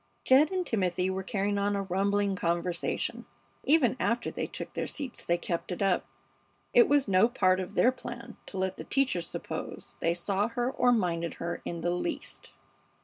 Jed and Timothy were carrying on a rumbling conversation. Even after they took their seats they kept it up. It was no part of their plan to let the teacher suppose they saw her or minded her in the least.